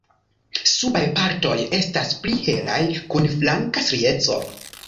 Subaj partoj estas pli helaj kun flanka strieco.